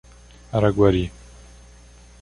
Araguari